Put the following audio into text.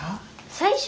最初？